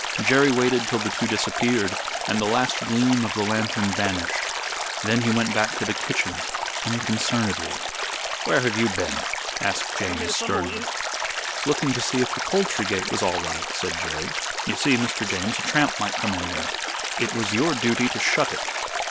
Jerry waited till the two disappeared and the last gleam of the lantern vanished. Then he went back to the kitchen unconcernedly. "Where have you been?" asked James, sternly. "Looking to see if the poultry gate was all right," said Jerry. "You see, Mr. James, a tramp might come in there." "It was your duty to shut it."